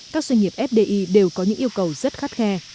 các doanh nghiệp fdi đều có những yêu cầu rất khắt khe